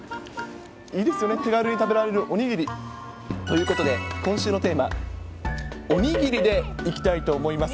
いいですよね、手軽に食べられるお握り、ということで、今週のテーマ、お握りでいきたいと思います。